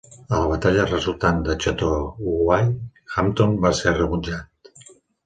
A la batalla resultant de Chateauguay, Hampton va ser rebutjat.